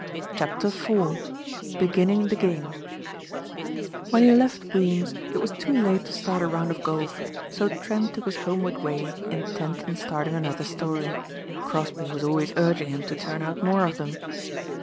CHAPTER IV BEGINNING THE GAME WHEN he left Weems, it was too late to start a round of golf so Trent took his homeward way intent on starting another story. Crosbeigh was always urging him to turn out more of them.